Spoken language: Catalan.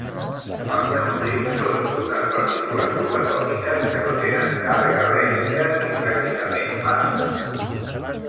Els neutrins són unes partícules subatòmiques que no tenen càrrega elèctrica ni pràcticament massa.